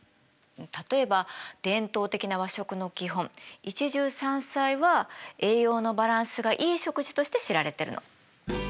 例えば伝統的な和食の基本一汁三菜は栄養のバランスがいい食事として知られてるの。